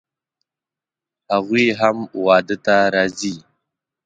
هغوی هم واده ته راځي